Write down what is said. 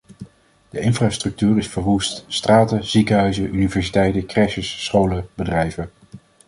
De infrastructuur is verwoest: straten, ziekenhuizen, universiteiten, crèches, scholen, bedrijven.